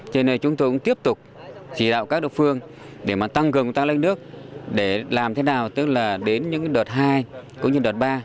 cho nên chúng tôi cũng tiếp tục chỉ đạo các độc phương để mà tăng cường công tác lấy nước để làm thế nào tức là đến những đợt hai cũng như đợt ba